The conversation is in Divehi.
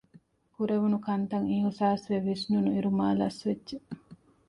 ކުރެވުނުކަންތައް އިހުސާސްވެ ވިސްނުނުއިރު މާލަސްވެއްޖެ